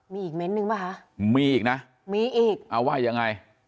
มีอีกเม้นต์นึงป่ะคะมีอีกนะมีอีกเอาว่ายังไง